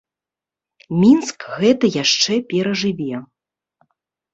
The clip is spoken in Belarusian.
Мінск гэта яшчэ перажыве.